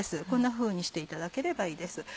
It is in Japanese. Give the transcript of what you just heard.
こんなふうにしていただければいいです。